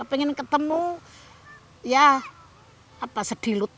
ingin ketemu ya sedih juga